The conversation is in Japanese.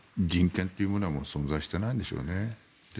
人権っていうものは存在していないんでしょうね。